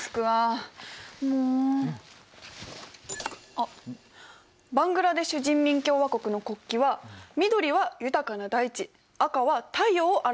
あっバングラデシュ人民共和国の国旗は緑は豊かな大地赤は太陽を表すといわれています。